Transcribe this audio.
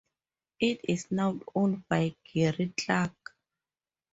It is now owned by Gerry Clarke.